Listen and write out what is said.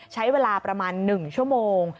ใช้เวลาประมาณ๑ชั่วโมง